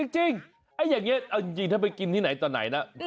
จริงอย่างนี้เอาจริงถ้าไปกินที่ไหนต่อไหนนะ